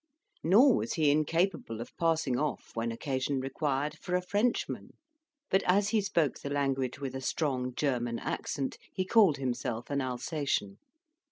Nor was he incapable of passing off, when occasion required, for a Frenchman; but as he spoke the language with a strong German accent, he called himself an Alsatian.